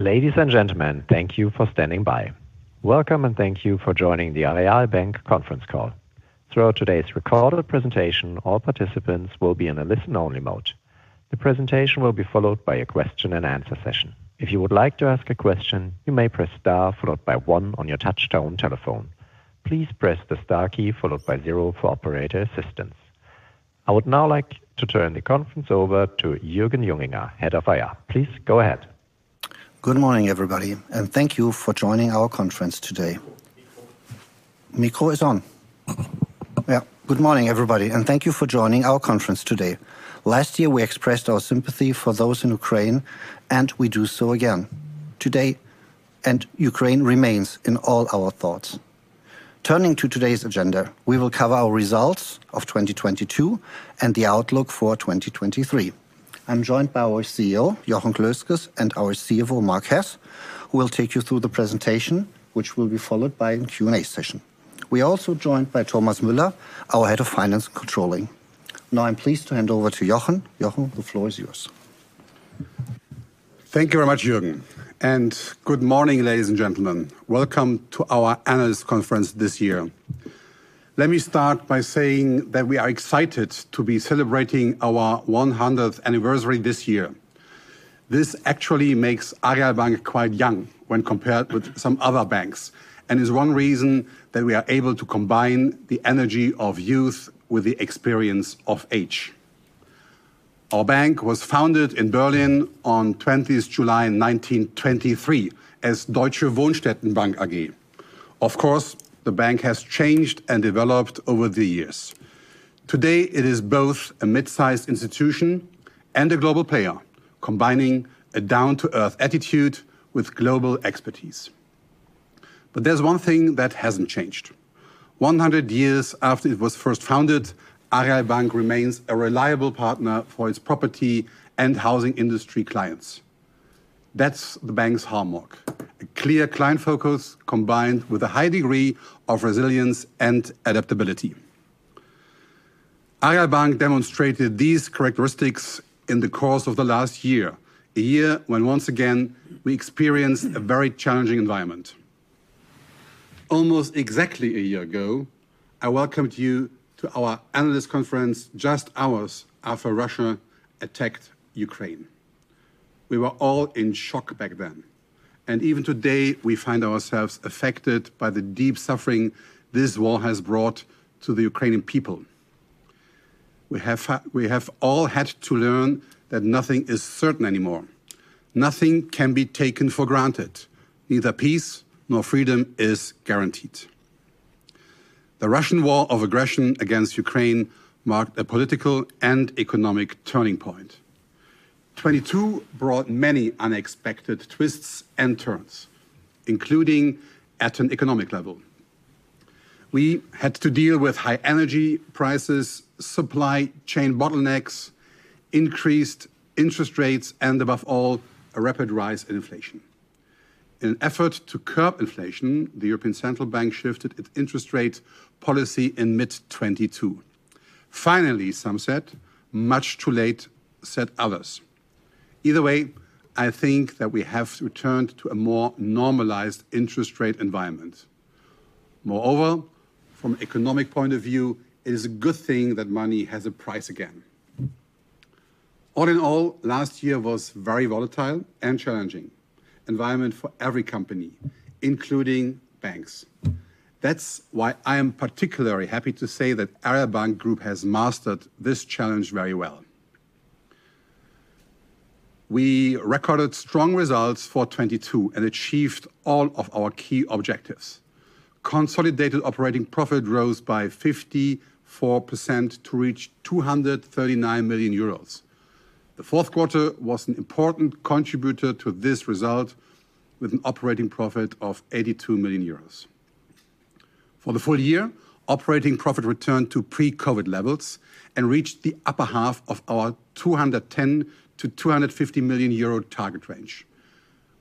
Ladies and gentlemen, thank you for standing by. Welcome and thank you for joining the Aareal Bank conference call. Throughout today's recorded presentation, all participants will be in a listen-only mode. The presentation will be followed by a question and answer session. If you would like to ask a question, you may press Star followed by one on your touchtone telephone. Please press the Star key followed by zero for operator assistance. I would now like to turn the conference over to Jürgen Junginger, Head of IR. Please go ahead. Good morning, everybody, and thank you for joining our conference today. Last year we expressed our sympathy for those in Ukraine, and we do so again. Ukraine remains in all our thoughts. Turning to today's agenda, we will cover our results of 2022 and the outlook for 2023. I'm joined by our CEO, Jochen Klösges, and our CFO, Marc Hess, who will take you through the presentation, which will be followed by a Q&A session. We are also joined by Thomas Müller, our Head of Finance Controlling. Now I'm pleased to hand over to Jochen. Jochen, the floor is yours. Thank you very much, Jürgen. Good morning, ladies and gentlemen. Welcome to our analyst conference this year. Let me start by saying that we are excited to be celebrating our 100th anniversary this year. This actually makes Aareal Bank quite young when compared with some other banks, and is one reason that we are able to combine the energy of youth with the experience of age. Our bank was founded in Berlin on July 20, 1923 as Deutsche Wohnstätten-Bank AG. Of course, the bank has changed and developed over the years. Today it is both a mid-sized institution and a global player, combining a down-to-earth attitude with global expertise. There's one thing that hasn't changed. 100 years after it was first founded, Aareal Bank remains a reliable partner for its property and housing industry clients. That's the bank's hallmark, a clear client focus combined with a high degree of resilience and adaptability. Aareal Bank demonstrated these characteristics in the course of the last year, a year when once again we experienced a very challenging environment. Almost exactly a year ago, I welcomed you to our analyst conference just hours after Russia attacked Ukraine. We were all in shock back then, and even today we find ourselves affected by the deep suffering this war has brought to the Ukrainian people. We have all had to learn that nothing is certain anymore. Nothing can be taken for granted. Neither peace nor freedom is guaranteed. The Russian war of aggression against Ukraine marked a political and economic turning point. 2022 brought many unexpected twists and turns, including at an economic level. We had to deal with high energy prices, supply chain bottlenecks, increased interest rates, and above all, a rapid rise in inflation. In an effort to curb inflation, the European Central Bank shifted its interest rate policy in mid-2022. Finally, some said. Much too late, said others. Either way, I think that we have returned to a more normalized interest rate environment. Moreover, from an economic point of view, it is a good thing that money has a price again. All in all, last year was a very volatile and challenging environment for every company, including banks. That's why I am particularly happy to say that Aareal Bank Group has mastered this challenge very well. We recorded strong results for 2022 and achieved all of our key objectives. Consolidated operating profit rose by 54% to reach 239 million euros. The fourth quarter was an important contributor to this result, with an operating profit of 82 million euros. For the full year, operating profit returned to pre-COVID levels and reached the upper half of our 210 million to 250 million euro target range.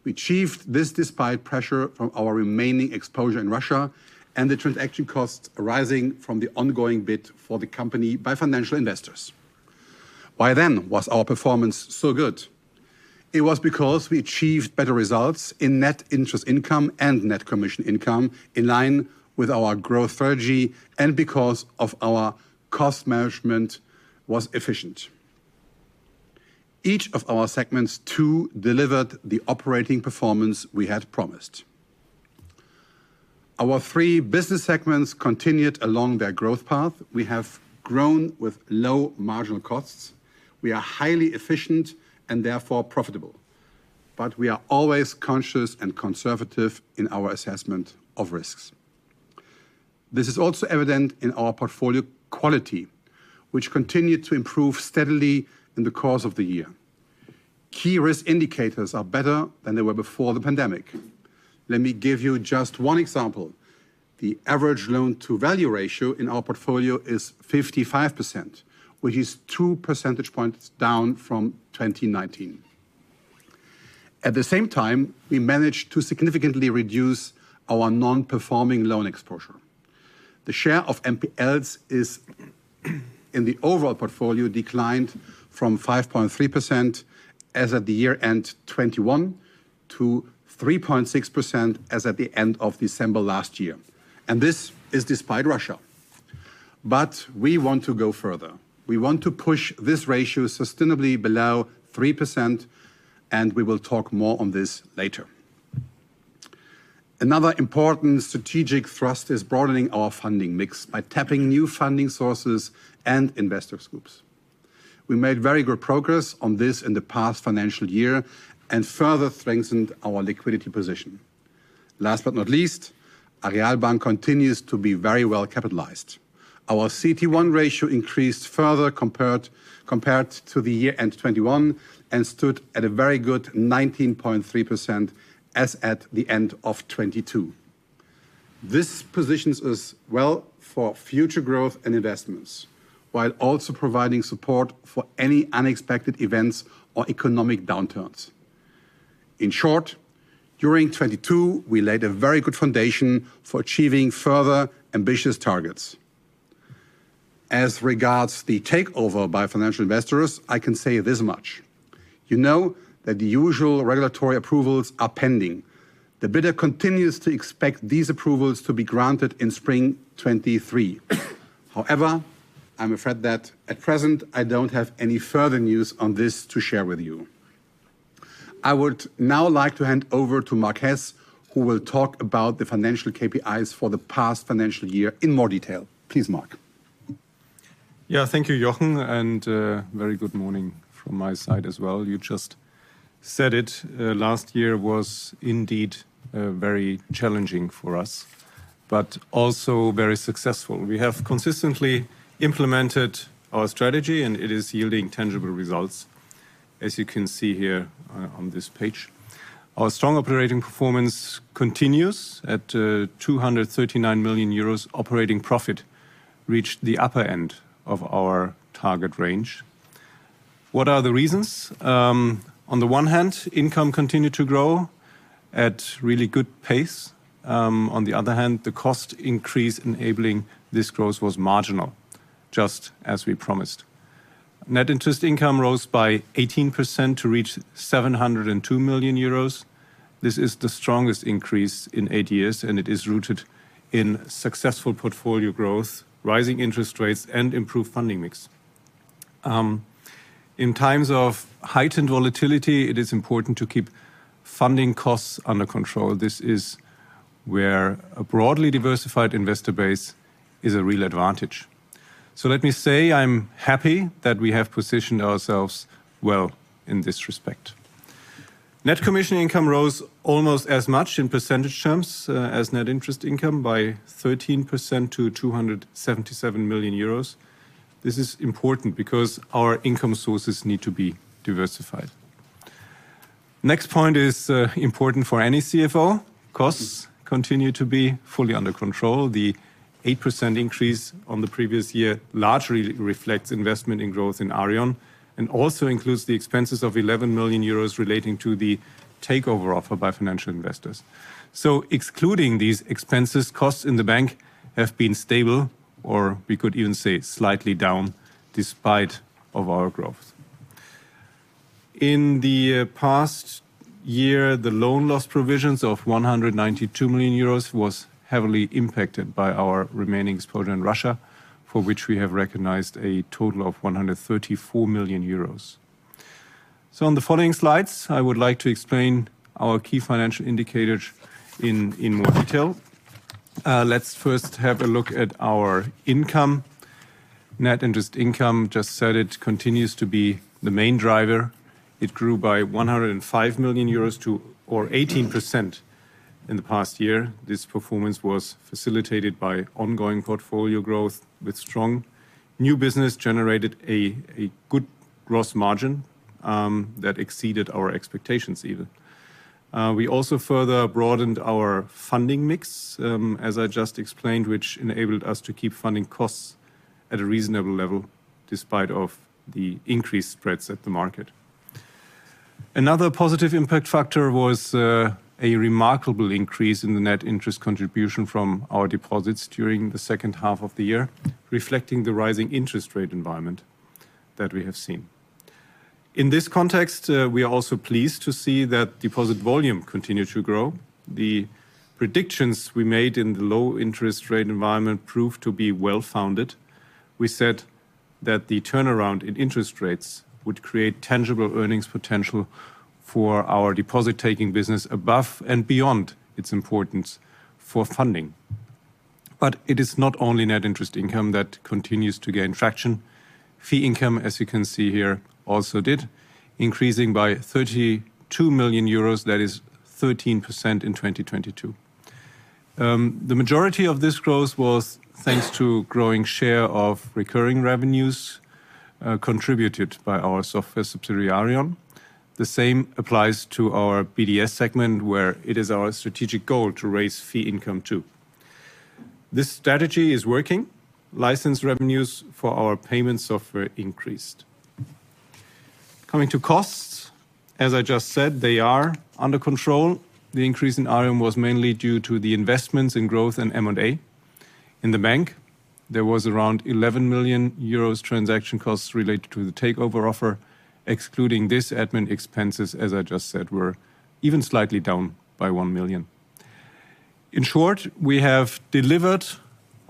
We achieved this despite pressure from our remaining exposure in Russia and the transaction costs arising from the ongoing bid for the company by financial investors. Why then was our performance so good? It was because we achieved better results in net interest income and net commission income in line with our growth strategy and because our cost management was efficient. Each of our segments, too, delivered the operating performance we had promised. Our three business segments continued along their growth path. We have grown with low marginal costs. We are highly efficient and therefore profitable, but we are always conscious and conservative in our assessment of risks. This is also evident in our portfolio quality, which continued to improve steadily in the course of the year. Key risk indicators are better than they were before the pandemic. Let me give you just one example. The average loan-to-value ratio in our portfolio is 55%, which is 2 percentage points down from 2019. At the same time, we managed to significantly reduce our non-performing loan exposure. The share of NPLs in the overall portfolio declined from 5.3% as of the year-end 2021 to 3.6% as of the end of December last year. This is despite Russia. We want to go further. We want to push this ratio sustainably below 3%, and we will talk more on this later. Another important strategic thrust is broadening our funding mix by tapping new funding sources and investor groups. We made very good progress on this in the past financial year and further strengthened our liquidity position. Last but not least, Aareal Bank continues to be very well capitalized. Our CET1 ratio increased further compared to the year-end 2021 and stood at a very good 19.3% as at the end of 2022. This positions us well for future growth and investments, while also providing support for any unexpected events or economic downturns. In short, during 2022, we laid a very good foundation for achieving further ambitious targets. As regards the takeover by Financial Investors, I can say this much. You know that the usual regulatory approvals are pending. The bidder continues to expect these approvals to be granted in spring 2023. I'm afraid that at present, I don't have any further news on this to share with you. I would now like to hand over to Marc Hess, who will talk about the financial KPIs for the past financial year in more detail. Please, Marc. Thank you, Jochen, and very good morning from my side as well. You just said it, last year was indeed very challenging for us, but also very successful. We have consistently implemented our strategy and it is yielding tangible results as you can see here on this page. Our strong operating performance continues at 239 million euros operating profit, reached the upper end of our target range. What are the reasons? On the one hand, income continued to grow at really good pace. On the other hand, the cost increase enabling this growth was marginal, just as we promised. Net interest income rose by 18% to reach 702 million euros. This is the strongest increase in 8 years, and it is rooted in successful portfolio growth, rising interest rates, and improved funding mix. In times of heightened volatility, it is important to keep funding costs under control. This is where a broadly diversified investor base is a real advantage. Let me say I'm happy that we have positioned ourselves well in this respect. Net commission income rose almost as much in percentage terms as net interest income by 13% to 277 million euros. This is important because our income sources need to be diversified. Next point is important for any CFO, costs continue to be fully under control. The 8% increase on the previous year largely reflects investment in growth in Aareon and also includes the expenses of 11 million euros relating to the takeover offer by Financial Investors. Excluding these expenses, costs in the bank have been stable, or we could even say slightly down despite of our growth. In the past year, the loan loss provisions of 192 million euros were heavily impacted by our remaining exposure in Russia, for which we have recognized a total of 134 million euros. On the following slides, I would like to explain our key financial indicators in more detail. Let's first have a look at our income. Net interest income, as I just said, continues to be the main driver. It grew by 105 million euros to or 18% in the past year. This performance was facilitated by ongoing portfolio growth with strong new business, generated a good gross margin, that exceeded our expectations even. We also further broadened our funding mix, as I just explained, which enabled us to keep funding costs at a reasonable level despite the increased spreads at the market. Another positive impact factor was a remarkable increase in the net interest contribution from our deposits during the second half of the year, reflecting the rising interest rate environment that we have seen. In this context, we are also pleased to see that deposit volume continued to grow. The predictions we made in the low interest rate environment proved to be well-founded. We said that the turnaround in interest rates would create tangible earnings potential for our deposit-taking business above and beyond its importance for funding. It is not only net interest income that continues to gain traction. Fee income, as you can see here, also did, increasing by 32 million euros, that is 13% in 2022. The majority of this growth was thanks to growing share of recurring revenues, contributed by our software subsidiary, Aareon. The same applies to our BDS segment, where it is our strategic goal to raise fee income too. This strategy is working. License revenues for our payment software increased. Coming to costs, as I just said, they are under control. The increase in RM was mainly due to the investments in growth and M&A. In the bank, there was around 11 million euros transaction costs related to the takeover offer. Excluding this, admin expenses, as I just said, were even slightly down by 1 million. In short, we have delivered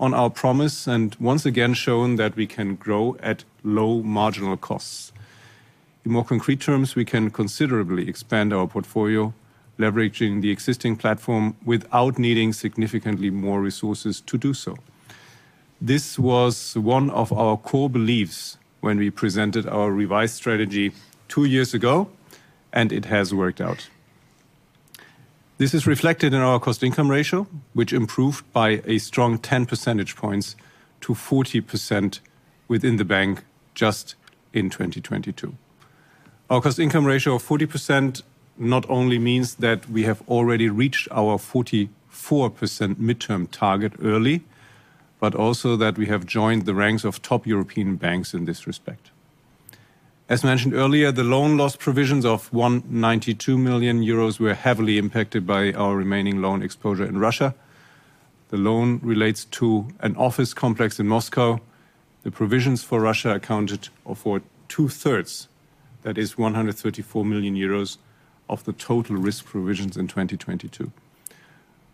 on our promise and once again shown that we can grow at low marginal costs. In more concrete terms, we can considerably expand our portfolio, leveraging the existing platform without needing significantly more resources to do so. This was one of our core beliefs when we presented our revised strategy two years ago, and it has worked out. This is reflected in our cost-income ratio, which improved by a strong 10 percentage points to 40% within the bank just in 2022. Our cost-income ratio of 40% not only means that we have already reached our 44% midterm target early, but also that we have joined the ranks of top European banks in this respect. As mentioned earlier, the loan loss provisions of 192 million euros were heavily impacted by our remaining loan exposure in Russia. The loan relates to an office complex in Moscow. The provisions for Russia accounted for two-thirds. That is 134 million euros of the total risk provisions in 2022.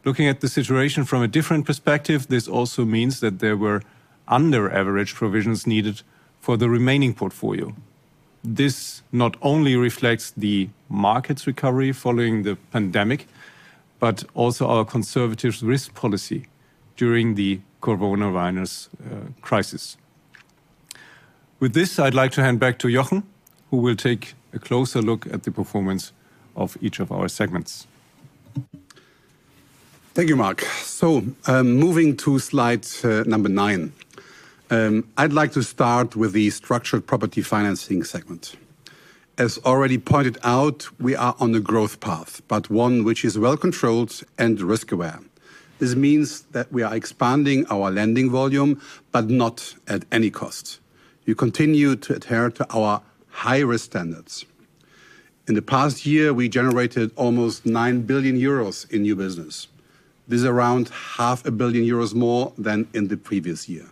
Looking at the situation from a different perspective, this also means that there were under-average provisions needed for the remaining portfolio. This not only reflects the market's recovery following the pandemic, but also our conservative risk policy during the coronavirus crisis. With this, I'd like to hand back to Jochen, who will take a closer look at the performance of each of our segments. Thank you, Marc. Moving to slide number 9, I'd like to start with the structured property financing segment. As already pointed out, we are on a growth path, but one which is well-controlled and risk-aware. This means that we are expanding our lending volume, but not at any cost. We continue to adhere to our high risk standards. In the past year, we generated almost 9 billion euros in new business. This is around half a billion EUR more than in the previous year.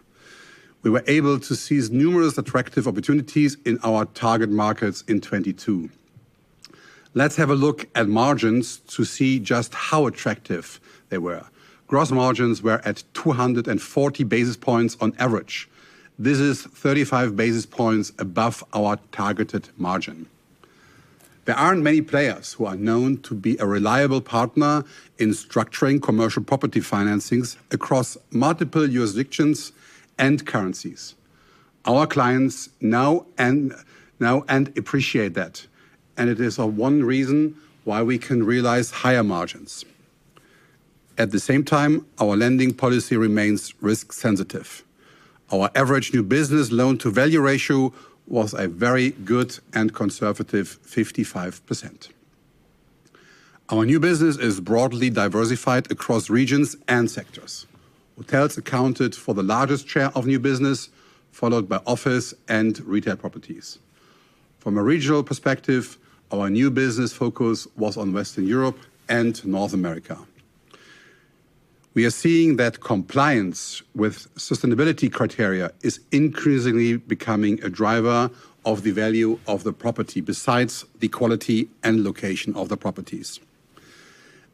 We were able to seize numerous attractive opportunities in our target markets in 2022. Let's have a look at margins to see just how attractive they were. Gross margins were at 240 basis points on average. This is 35 basis points above our targeted margin. There aren't many players who are known to be a reliable partner in structuring commercial property financings across multiple jurisdictions and currencies. Our clients know and appreciate that. It is one reason why we can realize higher margins. At the same time, our lending policy remains risk-sensitive. Our average new business loan-to-value ratio was a very good and conservative 55%. Our new business is broadly diversified across regions and sectors. Hotels accounted for the largest share of new business, followed by office and retail properties. From a regional perspective, our new business focus was on Western Europe and North America. We are seeing that compliance with sustainability criteria is increasingly becoming a driver of the value of the property besides the quality and location of the properties.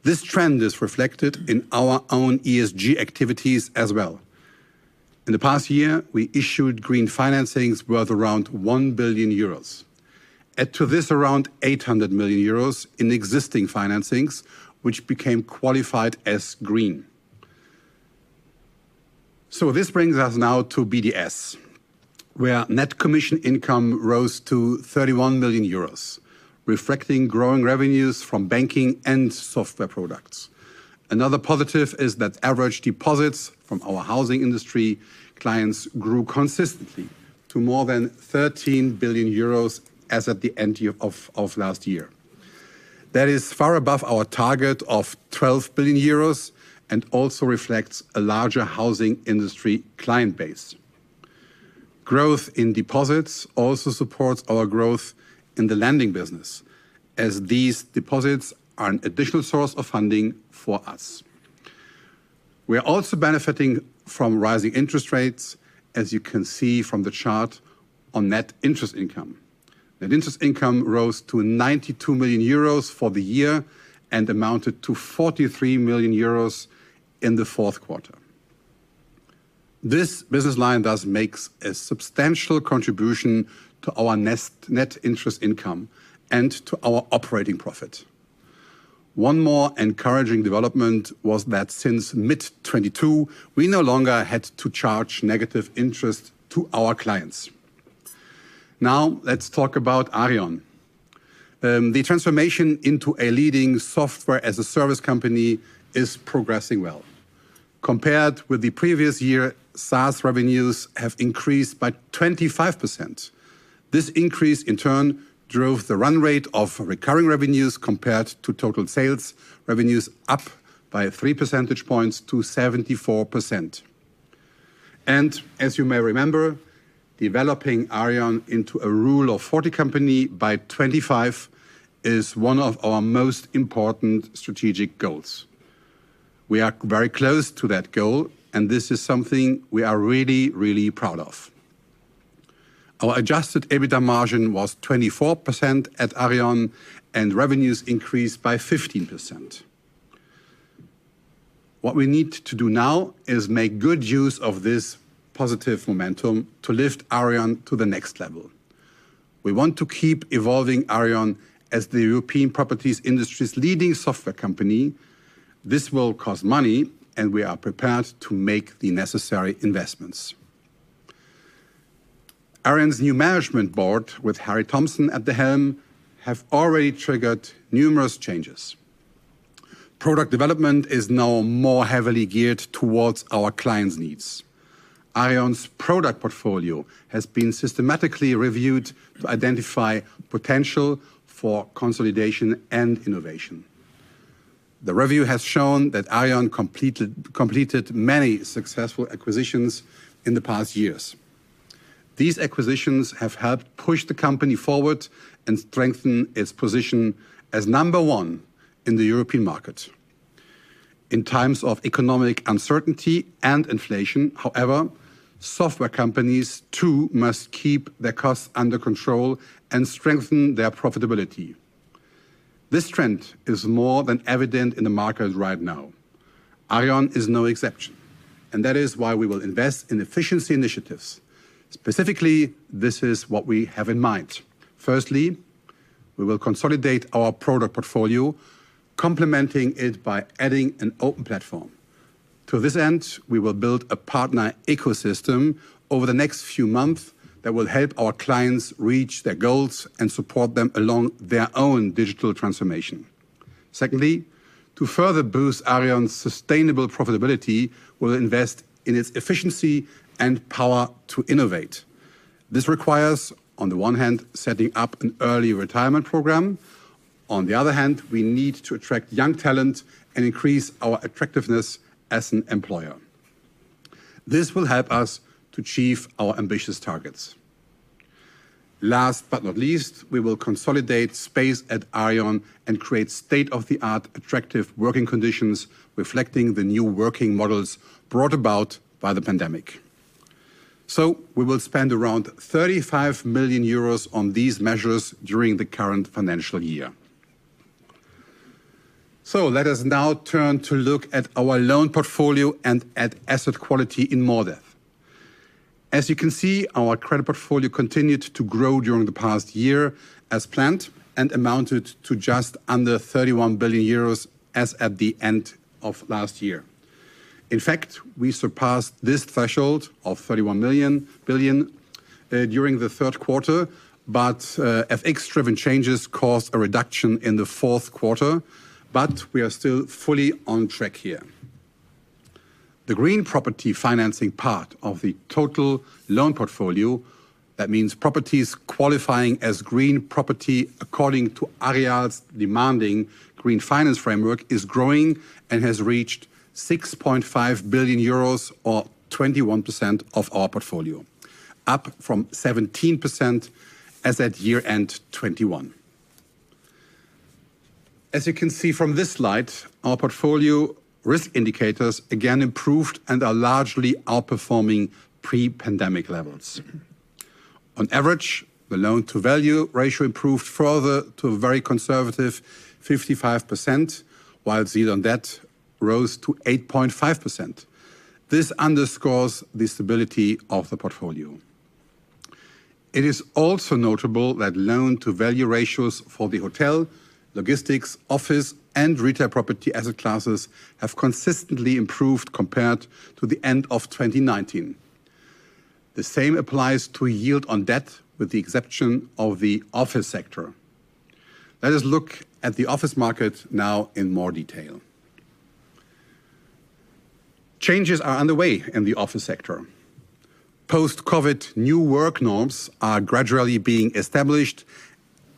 This trend is reflected in our own ESG activities as well. In the past year, we issued green financings worth around 1 billion euros. Add to this around 800 million euros in existing financings which became qualified as green. This brings us now to BDS, where net commission income rose to 31 million euros, reflecting growing revenues from banking and software products. Another positive is that average deposits from our housing industry clients grew consistently to more than 13 billion euros as at the end of last year. That is far above our target of 12 billion euros and also reflects a larger housing industry client base. Growth in deposits also supports our growth in the lending business, as these deposits are an additional source of funding for us. We are also benefiting from rising interest rates, as you can see from the chart on net interest income. Net interest income rose to 92 million euros for the year and amounted to 43 million euros in the fourth quarter. This business line does makes a substantial contribution to our net interest income and to our operating profit. One more encouraging development was that since mid-2022, we no longer had to charge negative interest to our clients. Now, let's talk about Aareon. The transformation into a leading Software-as-a-Service company is progressing well. Compared with the previous year, SaaS revenues have increased by 25%. This increase, in turn, drove the run rate of recurring revenues compared to total sales revenues up by 3 percentage points to 74%. As you may remember, developing Aareon into a Rule of 40 company by 2025 is one of our most important strategic goals. We are very close to that goal, and this is something we are really proud of. Our adjusted EBITDA margin was 24% at Aareon, and revenues increased by 15%. What we need to do now is make good use of this positive momentum to lift Aareon to the next level. We want to keep evolving Aareon as the European properties industry's leading software company. This will cost money, and we are prepared to make the necessary investments. Aareon's new management board with Harry Thomsen at the helm have already triggered numerous changes. Product development is now more heavily geared towards our clients' needs. Aareon's product portfolio has been systematically reviewed to identify potential for consolidation and innovation. The review has shown that Aareon completed many successful acquisitions in the past years. These acquisitions have helped push the company forward and strengthen its position as number one in the European market. In times of economic uncertainty and inflation, however, software companies too must keep their costs under control and strengthen their profitability. This trend is more than evident in the market right now. Aareon is no exception, and that is why we will invest in efficiency initiatives. Specifically, this is what we have in mind. Firstly, we will consolidate our product portfolio, complementing it by adding an open platform. To this end, we will build a partner ecosystem over the next few months that will help our clients reach their goals and support them along their own digital transformation. Secondly, to further boost Aareon's sustainable profitability, we'll invest in its efficiency and power to innovate. This requires, on the one hand, setting up an early retirement program. We need to attract young talent and increase our attractiveness as an employer. This will help us to achieve our ambitious targets. We will consolidate space at Aareon and create state-of-the-art attractive working conditions reflecting the new working models brought about by the pandemic. We will spend around 35 million euros on these measures during the current financial year. Let us now turn to look at our loan portfolio and at asset quality in more depth. As you can see, our credit portfolio continued to grow during the past year as planned and amounted to just under 31 billion euros as at the end of last year. In fact, we surpassed this threshold of 31 billion during the third quarter. FX-driven changes caused a reduction in the fourth quarter. We are still fully on track here. The green property financing part of the total loan portfolio, that means properties qualifying as green property according to Aareon's demanding Green Finance Framework, is growing and has reached 6.5 billion euros or 21% of our portfolio, up from 17% as at year-end 2021. As you can see from this slide, our portfolio risk indicators again improved and are largely outperforming pre-pandemic levels. On average, the loan-to-value ratio improved further to a very conservative 55%, while yield on debt rose to 8.5%. This underscores the stability of the portfolio. It is also notable that loan-to-value ratios for the hotel, logistics, office, and retail property asset classes have consistently improved compared to the end of 2019. The same applies to yield-on-debt with the exception of the office sector. Let us look at the office market now in more detail. Changes are underway in the office sector. Post-COVID new work norms are gradually being established,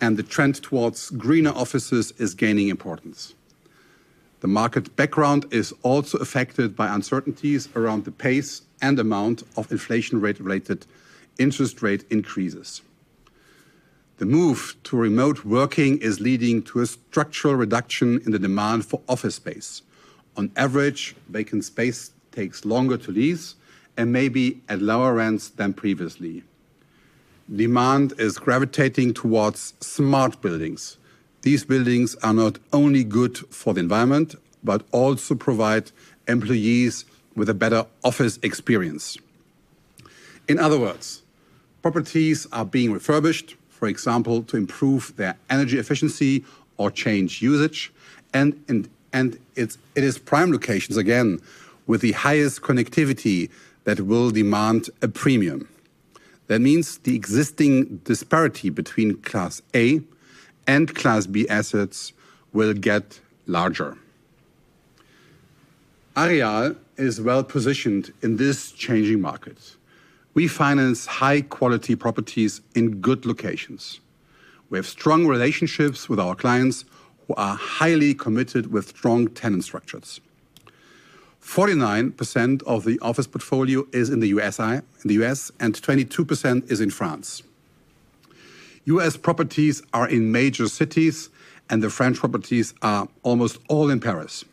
and the trend towards greener offices is gaining importance. The market background is also affected by uncertainties around the pace and amount of inflation rate-related interest rate increases. The move to remote working is leading to a structural reduction in the demand for office space. On average, vacant space takes longer to lease and may be at lower rents than previously. Demand is gravitating towards smart buildings. These buildings are not only good for the environment but also provide employees with a better office experience. In other words, properties are being refurbished, for example, to improve their energy efficiency or change usage, and it is prime locations again with the highest connectivity that will demand a premium. That means the existing disparity between class A and class B assets will get larger. Aareon is well-positioned in this changing market. We finance high-quality properties in good locations. We have strong relationships with our clients who are highly committed with strong tenant structures. 49% of the office portfolio is in the U.S., and 22% is in France. U.S. properties are in major cities, and the French properties are almost all in Paris.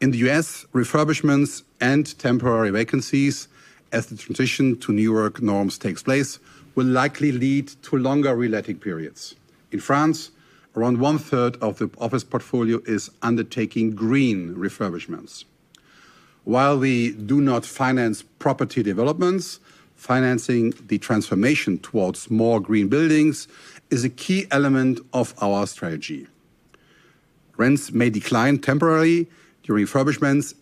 In the U.S., refurbishments and temporary vacancies as the transition to New York norms takes place, will likely lead to longer reletting periods. In France, around one-third of the office portfolio is undertaking green refurbishments. While we do not finance property developments, financing the transformation towards more green buildings is a key element of our strategy. Rents may decline temporarily during refurbishments,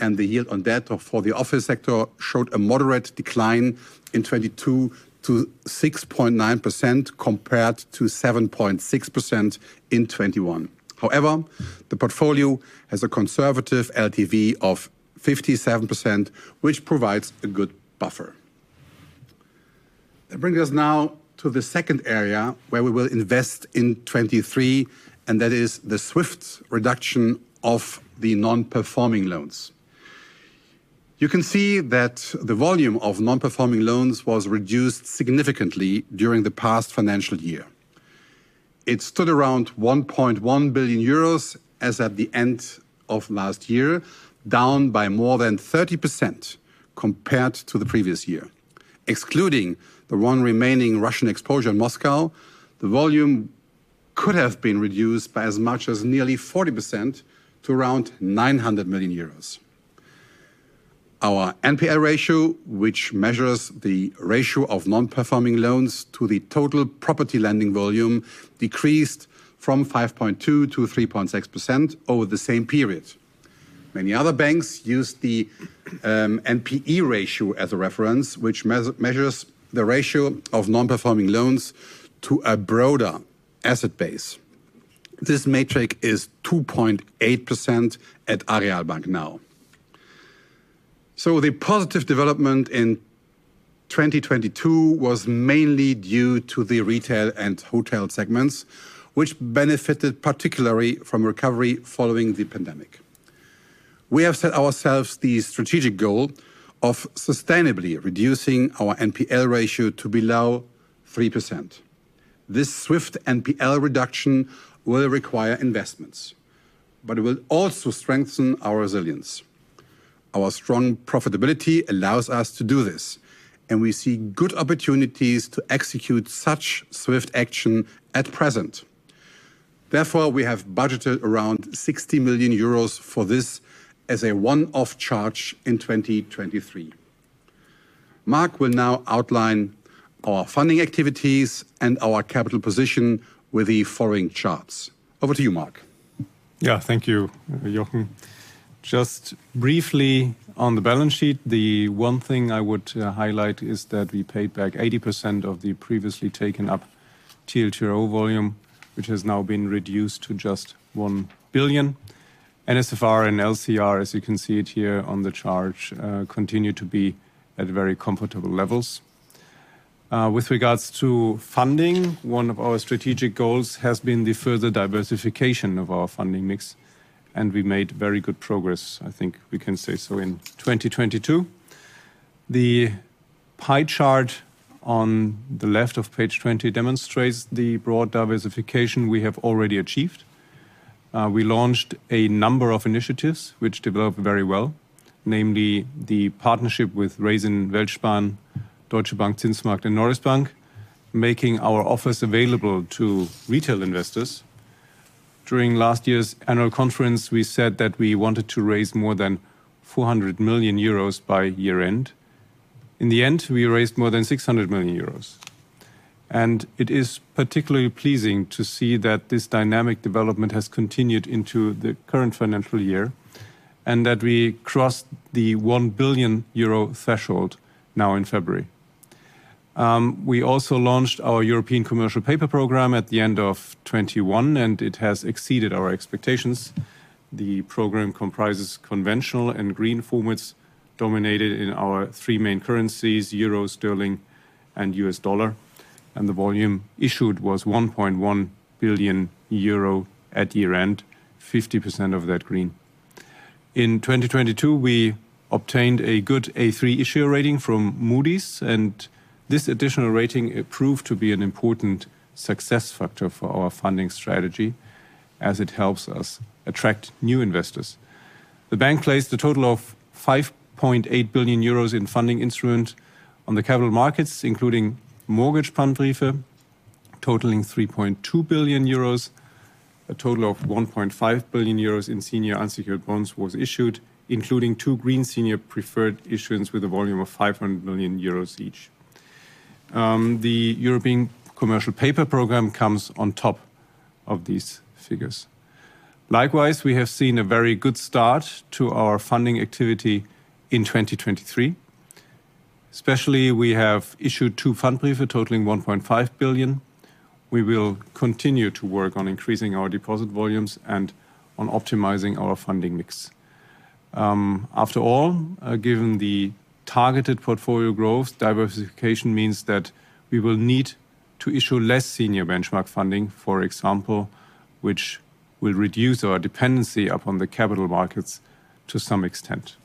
and the yield-on-debt for the office sector showed a moderate decline in 2022 to 6.9% compared to 7.6% in 2021. However, the portfolio has a conservative LTV of 57%, which provides a good buffer. That brings us now to the second area where we will invest in 2023, and that is the swift reduction of the non-performing loans. You can see that the volume of non-performing loans was reduced significantly during the past financial year. It stood around 1.1 billion euros as at the end of last year, down by more than 30% compared to the previous year. Excluding the one remaining Russian exposure in Moscow, the volume could have been reduced by as much as nearly 40% to around 900 million euros. Our NPL ratio, which measures the ratio of non-performing loans to the total property lending volume, decreased from 5.2% to 3.6% over the same period. Many other banks use the NPE ratio as a reference, which measures the ratio of non-performing loans to a broader asset base. This metric is 2.8% at Aareal Bank now. The positive development in 2022 was mainly due to the retail and hotel segments, which benefited particularly from recovery following the pandemic. We have set ourselves the strategic goal of sustainably reducing our NPL ratio to below 3%. This swift NPL reduction will require investments, it will also strengthen our resilience. Our strong profitability allows us to do this, we see good opportunities to execute such swift action at present. We have budgeted around 60 million euros for this as a one-off charge in 2023. Marc will now outline our funding activities and our capital position with the following charts. Over to you, Marc. Thank you, Jochen. Just briefly on the balance sheet, the one thing I would highlight is that we paid back 80% of the previously taken up TLTRO volume, which has now been reduced to just 1 billion. NSFR and LCR, as you can see it here on the chart, continue to be at very comfortable levels. With regards to funding, one of our strategic goals has been the further diversification of our funding mix, and we made very good progress, I think we can say so, in 2022. The pie chart on the left of page 20 demonstrates the broad diversification we have already achieved. We launched a number of initiatives which developed very well, namely the partnership with Raisin, WeltSparen, Deutsche Bank ZinsMarkt, and norisbank, making our office available to retail investors. During last year's annual conference, we said that we wanted to raise more than 400 million euros by year-end. In the end, we raised more than 600 million euros. It is particularly pleasing to see that this dynamic development has continued into the current financial year and that we crossed the 1 billion euro threshold now in February. We also launched our Euro Commercial Paper Programme at the end of 2021, and it has exceeded our expectations. The program comprises conventional and green formats dominated in our three main currencies, euro, sterling, and US dollar, and the volume issued was 1.1 billion euro at year-end, 50% of that green. In 2022, we obtained a good A3 issuer rating from Moody's, and this additional rating, it proved to be an important success factor for our funding strategy as it helps us attract new investors. The bank placed a total of 5.8 billion euros in funding instrument on the capital markets, including mortgage Pfandbriefe totaling 3.2 billion euros. A total of 1.5 billion euros in senior unsecured bonds was issued, including two green senior preferred issuance with a volume of 500 million euros each. The Euro Commercial Paper Programme comes on top of these figures. We have seen a very good start to our funding activity in 2023. We have issued two Pfandbriefe totaling 1.5 billion. We will continue to work on increasing our deposit volumes and on optimizing our funding mix. After all, given the targeted portfolio growth, diversification means that we will need to issue less senior benchmark funding, for example, which will reduce our dependency upon the capital markets to some extent.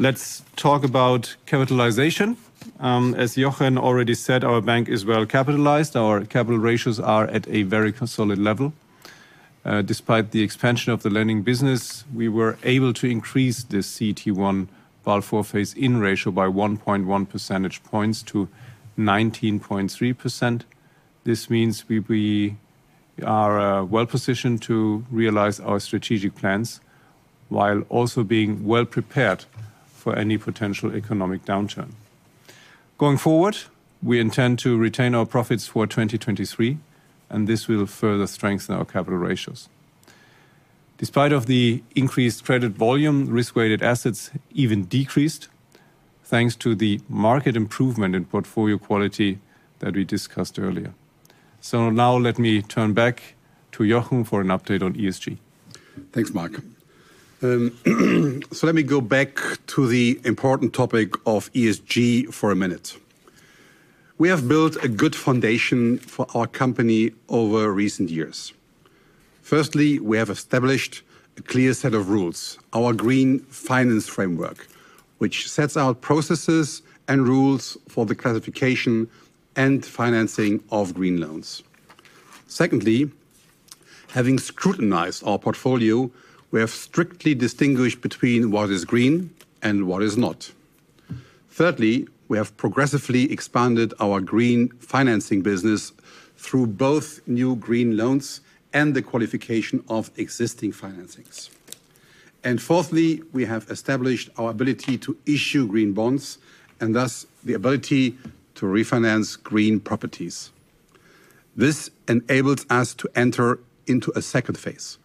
Let's talk about capitalization. As Jochen already said, our bank is well-capitalized. Our capital ratios are at a very solid level. Despite the expansion of the lending business, we were able to increase the CET1 Basel IV phase-in ratio by 1.1 percentage points to 19.3%. This means we are well-positioned to realize our strategic plans while also being well prepared for any potential economic downturn. Going forward, we intend to retain our profits for 2023. This will further strengthen our capital ratios. Despite of the increased credit volume, risk-weighted assets even decreased thanks to the market improvement in portfolio quality that we discussed earlier. Now let me turn back to Jochen for an update on ESG. Thanks, Marc. Let me go back to the important topic of ESG for a minute. We have built a good foundation for our company over recent years. Firstly, we have established a clear set of rules, our Green Finance Framework, which sets out processes and rules for the classification and financing of green loans. Secondly, having scrutinized our portfolio, we have strictly distinguished between what is green and what is not. Thirdly, we have progressively expanded our green financing business through both new green loans and the qualification of existing financings. Fourthly, we have established our ability to issue green bonds and thus the ability to refinance green properties. This enables us to enter into a second phase.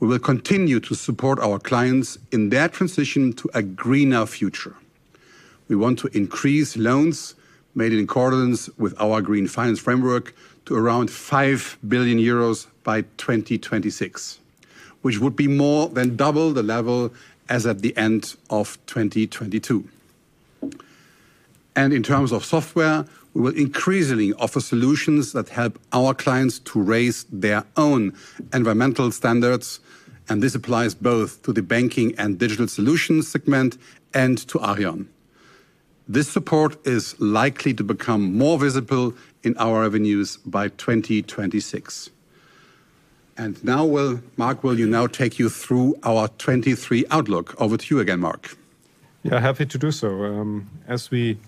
We will continue to support our clients in their transition to a greener future. We want to increase loans made in accordance with our Green Finance Framework to around 5 billion euros by 2026, which would be more than double the level as at the end of 2022. In terms of software, we will increasingly offer solutions that help our clients to raise their own environmental standards, and this applies both to the banking and digital solutions segment and to Aareon. This support is likely to become more visible in our revenues by 2026. Marc, will you now take you through our 2023 outlook. Over to you again, Marc. Yeah, happy to do so. As we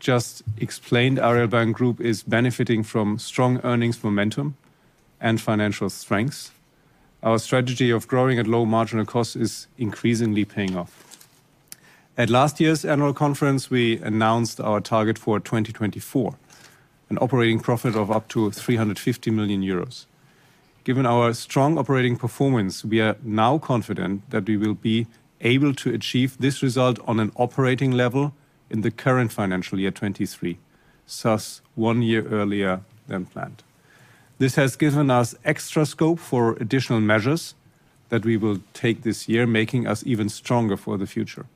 just explained, Aareal Bank Group is benefiting from strong earnings momentum and financial strengths. Our strategy of growing at low marginal costs is increasingly paying off. At last year's annual conference, we announced our target for 2024, an operating profit of up to 350 million euros. Given our strong operating performance, we are now confident that we will be able to achieve this result on an operating level in the current financial year 2023, thus one year earlier than planned. This has given us extra scope for additional measures that we will take this year, making us even stronger for the future.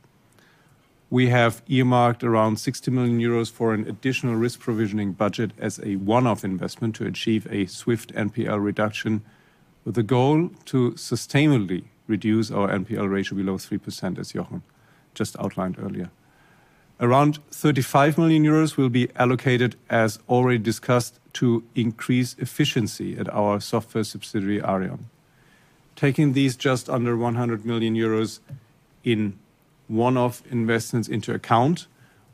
We have earmarked around 60 million euros for an additional risk provisioning budget as a one-off investment to achieve a swift NPL reduction, with a goal to sustainably reduce our NPL ratio below 3%, as Jochen just outlined earlier. Around 35 million euros will be allocated, as already discussed, to increase efficiency at our software subsidiary, Aareon. Taking these just under 100 million euros in one-off investments into account,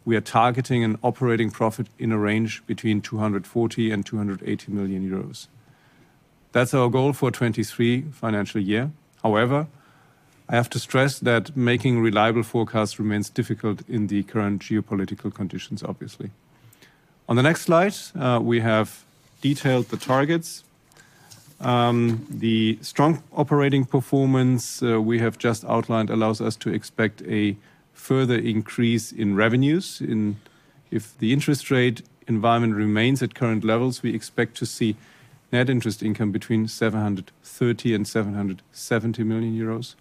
we are targeting an operating profit in a range between 240 million-280 million euros. That's our goal for 2023 financial year. I have to stress that making reliable forecasts remains difficult in the current geopolitical conditions, obviously. On the next slide, we have detailed the targets. The strong operating performance we have just outlined allows us to expect a further increase in revenues. If the interest rate environment remains at current levels, we expect to see net interest income between 730 million and 770 million euros.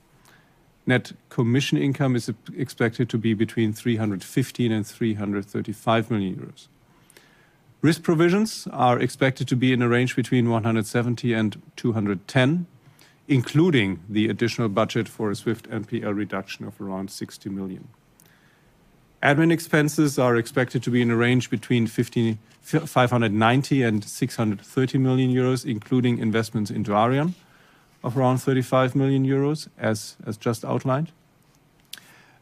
Net commission income is expected to be between 315 million and 335 million euros. Risk provisions are expected to be in a range between 170 million and 210 million, including the additional budget for a swift NPL reduction of around 60 million. Admin expenses are expected to be in a range between 590 million and 630 million euros, including investments into Aareon of around 35 million euros, as just outlined.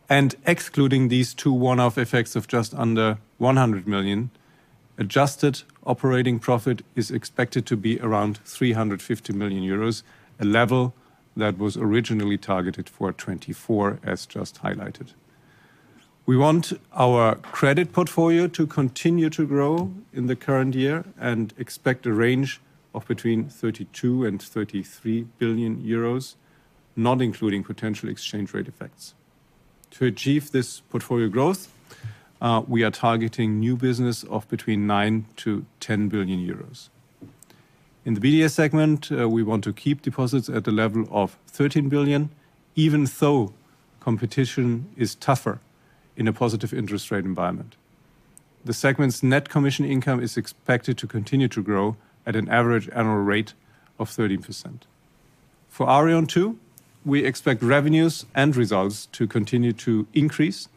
Excluding these two one-off effects of just under 100 million, adjusted operating profit is expected to be around 350 million euros, a level that was originally targeted for 2024, as just highlighted. We want our credit portfolio to continue to grow in the current year and expect a range of between 32 billion and 33 billion euros, not including potential exchange rate effects. To achieve this portfolio growth, we are targeting new business of between 9 billion-10 billion euros. In the BDS segment, we want to keep deposits at the level of 13 billion, even though competition is tougher in a positive interest rate environment. The segment's net commission income is expected to continue to grow at an average annual rate of 30%. For Aareon, too, we expect revenues and results to continue to increase.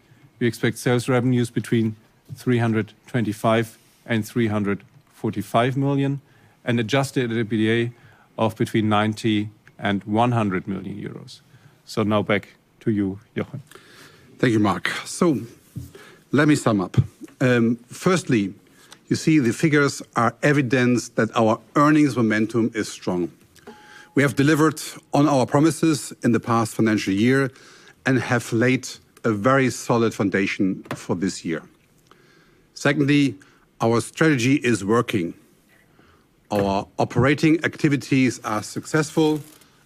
We expect sales revenues between 325 million and 345 million, and adjusted EBITDA of between 90 million and 100 million euros. Now back to you, Jochen. Thank you, Marc. Let me sum up. Firstly, you see the figures are evidence that our earnings momentum is strong. We have delivered on our promises in the past financial year and have laid a very solid foundation for this year. Secondly, our strategy is working. Our operating activities are successful,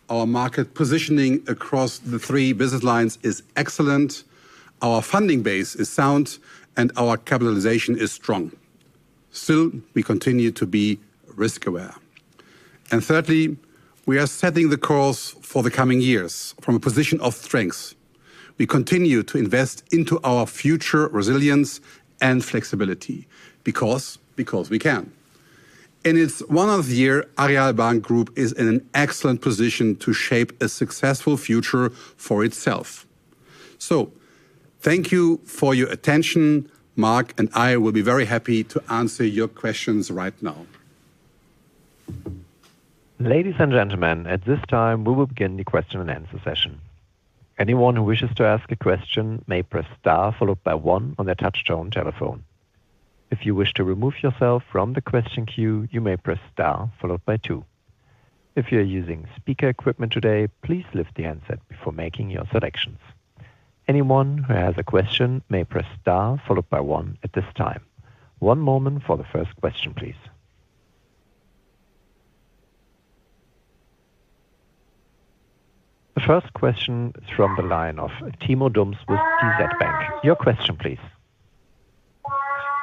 our market positioning across the three business lines is excellent, our funding base is sound, and our capitalization is strong. Still, we continue to be risk aware. Thirdly, we are setting the course for the coming years from a position of strength. We continue to invest into our future resilience and flexibility because we can. It's one of the year Aareal Bank Group is in an excellent position to shape a successful future for itself. Thank you for your attention. Marc and I will be very happy to answer your questions right now. Ladies and gentlemen, at this time we will begin the question and answer session. Anyone who wishes to ask a question may press star followed by one on their touch-tone telephone. If you wish to remove yourself from the question queue, you may press star followed by two. If you're using speaker equipment today, please lift the handset before making your selections. Anyone who has a question may press star followed by one at this time. One moment for the first question, please. The first question is from the line of Timo Dums with DZ Bank. Your question please.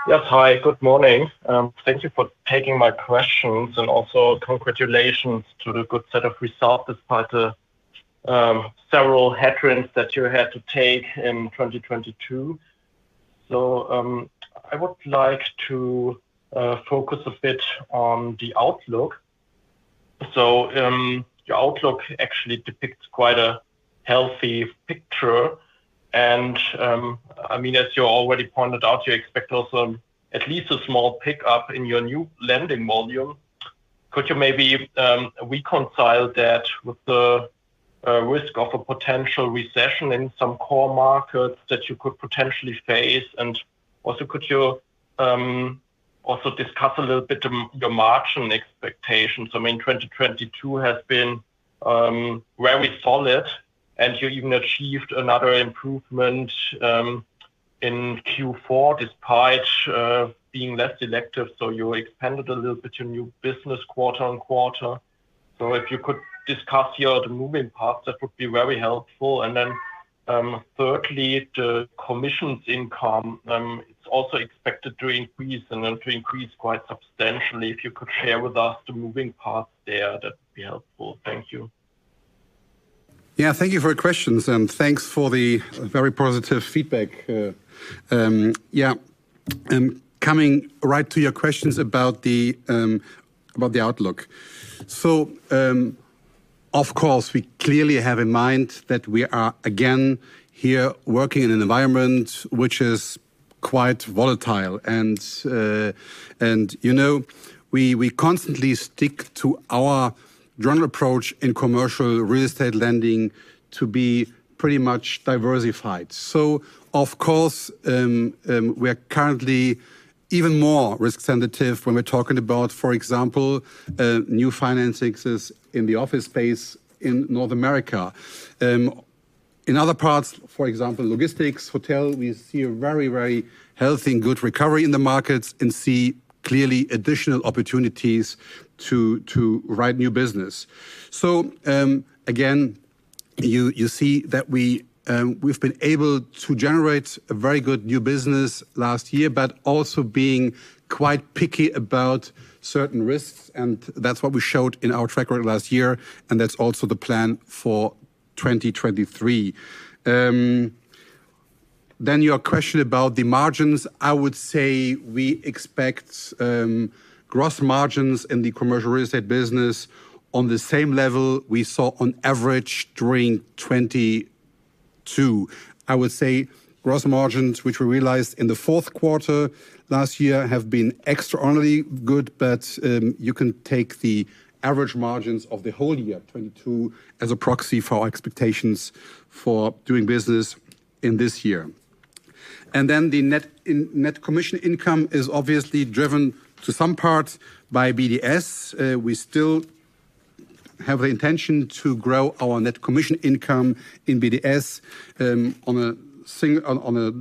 Yes. Hi, good morning. Thank you for taking my questions and also congratulations to the good set of results despite the several headwinds that you had to take in 2022. I would like to focus a bit on the outlook. Your outlook actually depicts quite a healthy picture and, I mean, as you already pointed out, you expect also at least a small pickup in your new lending volume. Could you maybe reconcile that with the risk of a potential recession in some core markets that you could potentially face? Also could you also discuss a little bit your margin expectations? I mean, 2022 has been very solid and you even achieved another improvement in Q4 despite being less selective. You expanded a little bit your new business quarter-on-quarter. If you could discuss your moving parts that would be very helpful. Thirdly, the commissions income, it's also expected to increase and to increase quite substantially. If you could share with us the moving parts there, that would be helpful. Thank you. Yeah, thank you for your questions and thanks for the very positive feedback. Yeah, coming right to your questions about the outlook. Of course, we clearly have in mind that we are again here working in an environment which is quite volatile. You know, we constantly stick to our general approach in commercial real estate lending to be pretty much diversified. Of course, we are currently even more risk sensitive when we're talking about, for example, new financings in the office space in North America. In other parts, for example, logistics, hotel, we see a very, very healthy and good recovery in the markets and see clearly additional opportunities to write new business. Again, you see that we've been able to generate a very good new business last year, but also being quite picky about certain risks, and that's what we showed in our track record last year and that's also the plan for 2023. Your question about the margins. I would say we expect gross margins in the commercial real estate business on the same level we saw on average during 2022. I would say gross margins, which we realized in the fourth quarter last year, have been extraordinarily good, but you can take the average margins of the whole year, 2022, as a proxy for our expectations for doing business in this year. The net commission income is obviously driven to some part by BDS. We still have the intention to grow our net commission income in BDS on a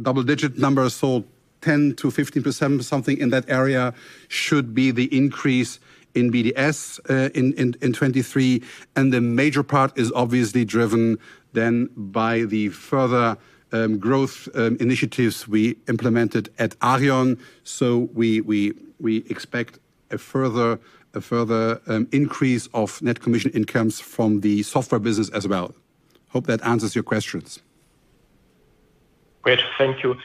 double-digit number. 10%-15% or something in that area should be the increase in BDS in 2023. The major part is obviously driven then by the further growth initiatives we implemented at Aareon. We expect a further increase of net commission incomes from the software business as well. Hope that answers your questions. Great. Thank you.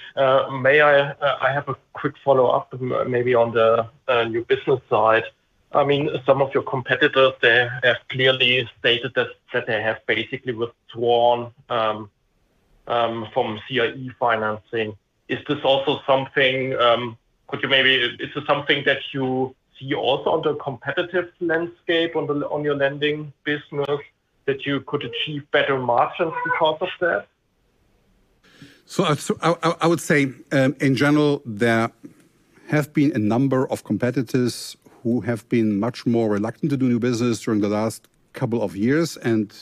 May I have a quick follow-up, I mean, maybe on the new business side. Some of your competitors, they have clearly stated that they have basically withdrawn from CRE financing. Is this something that you see also on the competitive landscape on your lending business that you could achieve better margins because of that? I would say, in general, there have been a number of competitors who have been much more reluctant to do new business during the last couple of years.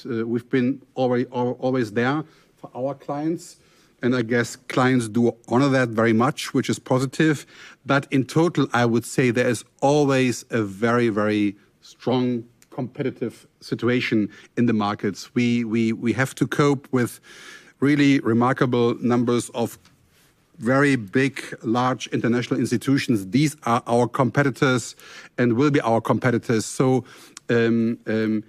We've been always there for our clients, and I guess clients do honor that very much, which is positive. In total, I would say there is always a very, very strong competitive situation in the markets. We have to cope with really remarkable numbers of very big, large international institutions. These are our competitors and will be our competitors. And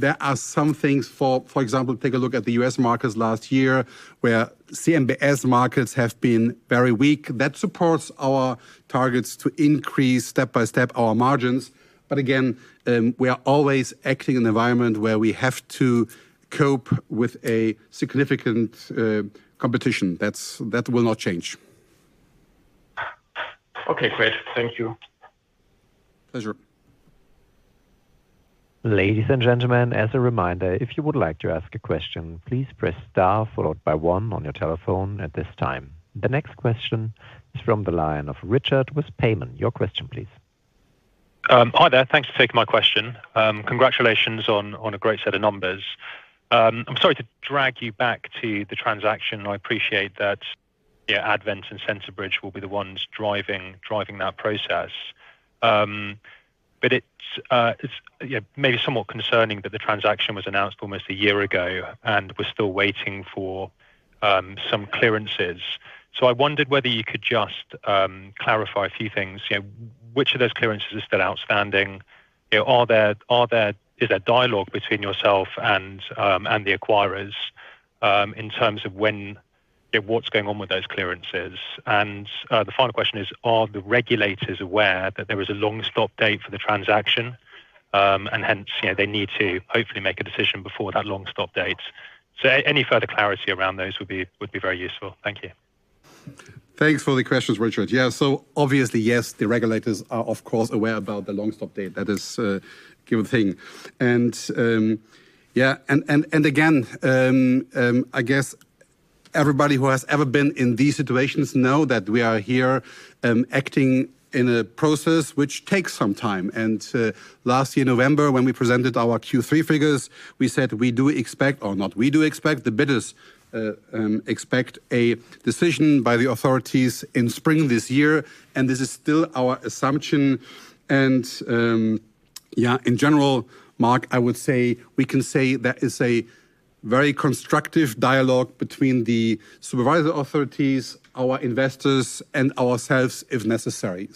there are some things, for example, take a look at the U.S. markets last year, where CMBS markets have been very weak. That supports our targets to increase step-by-step our margins. Again, we are always acting in an environment where we have to cope with a significant competition. That will not change. Okay. Great. Thank you. Pleasure. Ladies and gentlemen, as a reminder, if you would like to ask a question, please press star followed by 1 on your telephone at this time. The next question is from the line of Richard with Payman. Your question please. Hi there. Thanks for taking my question. Congratulations on a great set of numbers. I'm sorry to drag you back to the transaction. I appreciate that Advent and Centerbridge will be the ones driving that process. It's maybe somewhat concerning that the transaction was announced almost a year ago, and we're still waiting for some clearances. I wondered whether you could just clarify a few things. You know, which of those clearances are still outstanding? You know, is there dialogue between yourself and the acquirers in terms of when... You know, what's going on with those clearances? The final question is, are the regulators aware that there is a long stop date for the transaction, and hence, you know, they need to hopefully make a decision before that long stop date? Any further clarity around those would be very useful. Thank you. Thanks for the questions, Richard. Yeah. Obviously, yes, the regulators are of course aware about the long stop date. That is a given thing. Yeah. Again, I guess everybody who has ever been in these situations know that we are here, acting in a process which takes some time. Last year November when we presented our Q3 figures, we said the bidders expect a decision by the authorities in spring this year, and this is still our assumption. Yeah, in general, Marc, I would say we can say there is a very constructive dialogue between the supervisory authorities, our investors, and ourselves, if necessary.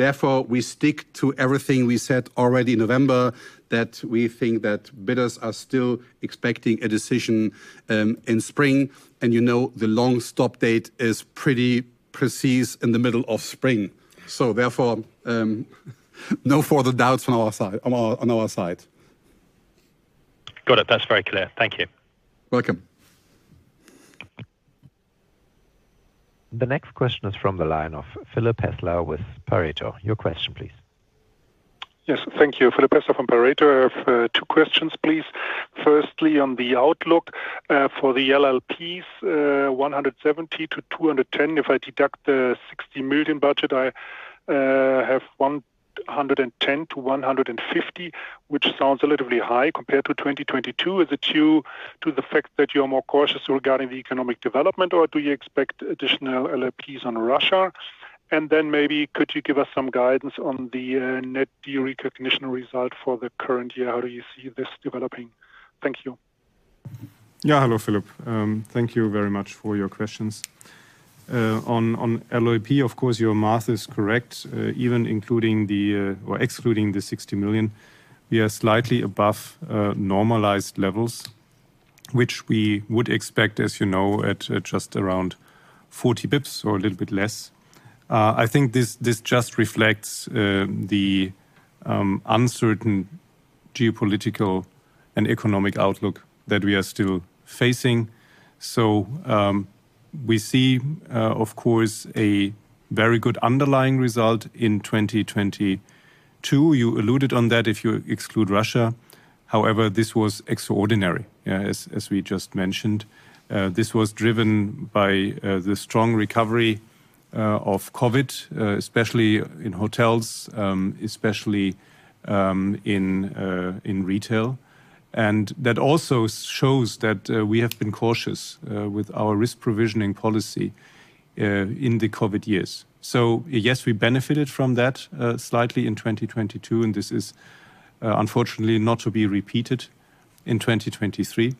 Therefore, we stick to everything we said already in November, that we think that bidders are still expecting a decision in spring. You know the long stop date is pretty precise in the middle of spring. Therefore, no further doubts on our side, on our side. Got it. That's very clear. Thank you. Welcome. The next question is from the line of Philipp Häßler with Pareto Securities. Your question please. Yes. Thank you. Philipp Häßler from Pareto. I have two questions, please. Firstly, on the outlook for the LLPs, 170 million-210 million. If I deduct the 60 million budget, I have 110 million-150 million, which sounds a little bit high compared to 2022. Is it due to the fact that you're more cautious regarding the economic development, or do you expect additional LLPs on Russia? Maybe could you give us some guidance on the net view recognition result for the current year? How do you see this developing? Thank you. Yeah, hello, Philipp. Thank you very much for your questions. On LLP, of course, your math is correct. Even including the or excluding the 60 million, we are slightly above normalized levels, which we would expect, as you know, at just around 40 basis points or a little bit less. I think this just reflects the uncertain geopolitical and economic outlook that we are still facing. We see, of course, a very good underlying result in 2022. You alluded on that if you exclude Russia. This was extraordinary, as we just mentioned. This was driven by the strong recovery of COVID, especially in hotels, especially in retail. That also shows that we have been cautious with our risk provisioning policy in the COVID years. Yes, we benefited from that slightly in 2022, and this is unfortunately not to be repeated in 2023.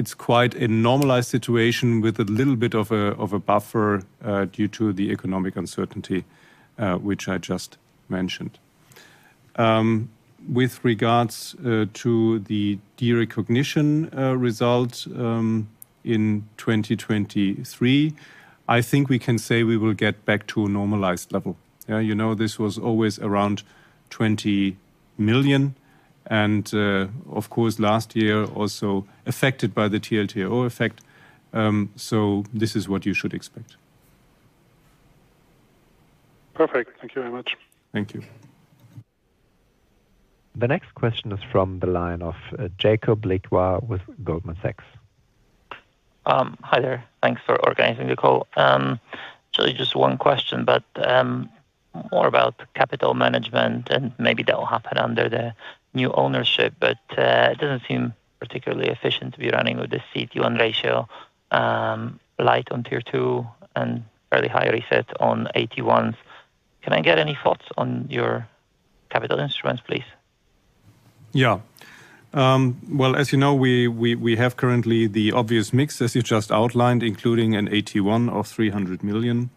It's quite a normalized situation with a little bit of a buffer due to the economic uncertainty which I just mentioned. With regards to the derecognition result in 2023, I think we can say we will get back to a normalized level. You know, this was always around 20 million and of course last year also affected by the TLTRO effect, this is what you should expect. Perfect. Thank you very much. Thank you. The next question is from the line of Jakub Bleakley with Goldman Sachs. Hi there. Thanks for organizing the call. Just one question, but more about capital management and maybe that will happen under the new ownership, but it doesn't seem particularly efficient to be running with the CET1 ratio, light on tier two and fairly high reset on AT1s. Can I get any thoughts on your capital instruments, please? Yeah. Well, as you know, we have currently the obvious mix as you just outlined, including an AT1 of 300 million.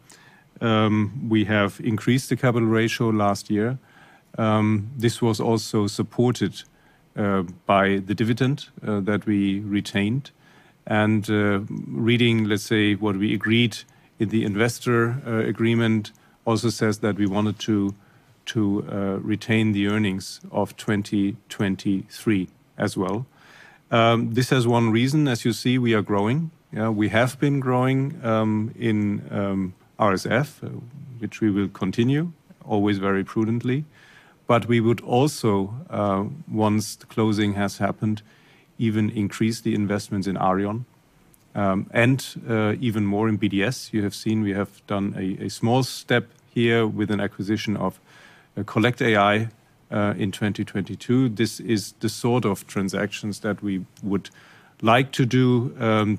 We have increased the capital ratio last year. This was also supported by the dividend that we retained. Reading, let's say, what we agreed in the investor agreement also says that we wanted to retain the earnings of 2023 as well. This has one reason. As you see, we are growing. Yeah, we have been growing in RSF, which we will continue, always very prudently. We would also, once the closing has happened, even increase the investments in Aareon and even more in BDS. You have seen we have done a small step here with an acquisition of CollectAI in 2022. This is the sort of transactions that we would like to do,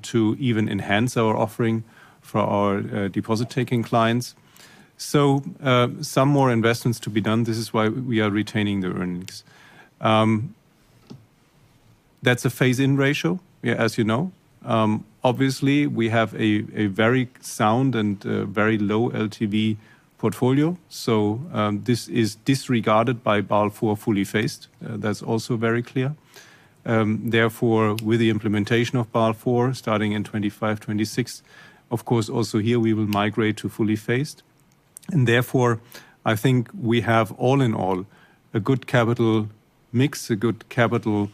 to even enhance our offering for our deposit-taking clients. Some more investments to be done. This is why we are retaining the earnings. That's a phase-in ratio, as you know. Obviously we have a very sound and very low LTV portfolio, so, this is disregarded by Basel IV fully phased. That's also very clear. Therefore, with the implementation of Basel IV starting in 25, 26, of course, also here we will migrate to fully phased. Therefore, I think we have all in all a good capital mix, a good capital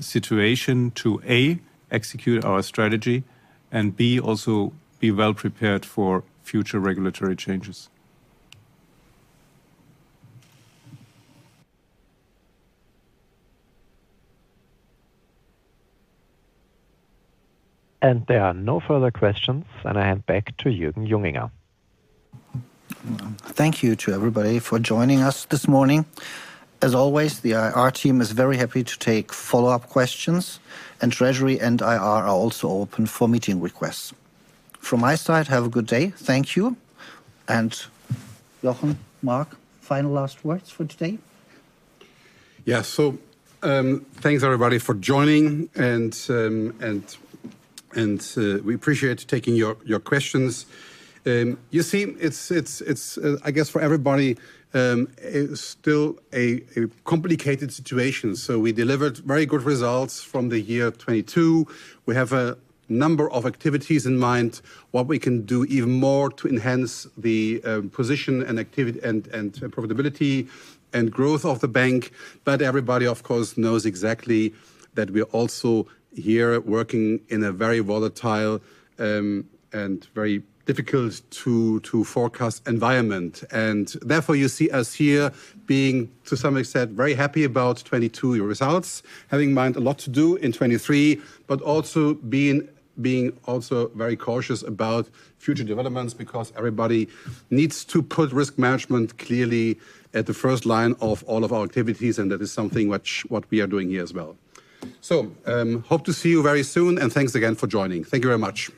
situation to, A, execute our strategy and, B, also be well prepared for future regulatory changes. There are no further questions, and I hand back to Jürgen Junginger. Thank you to everybody for joining us this morning. As always, the IR team is very happy to take follow-up questions, and Treasury and IR are also open for meeting requests. From my side, have a good day. Thank you. Jochen, Marc, final last words for today? Thanks everybody for joining and we appreciate taking your questions. You see it's I guess for everybody, it's still a complicated situation. We delivered very good results from the year 22. We have a number of activities in mind what we can do even more to enhance the position and profitability and growth of the bank. Everybody of course knows exactly that we're also here working in a very volatile and very difficult to forecast environment. Therefore, you see us here being, to some extent, very happy about 22 year results, having mind a lot to do in 23, but also being also very cautious about future developments because everybody needs to put risk management clearly at the first line of all of our activities. That is something what we are doing here as well. Hope to see you very soon, and thanks again for joining. Thank you very much.